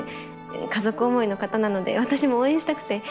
家族思いの方なので私も応援したくて。